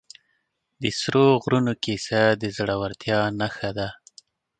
د سرو غرونو کیسه د زړه ورتیا نښه ده.